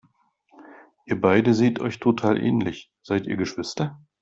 Ihr beide seht euch total ähnlich, seid ihr Geschwister?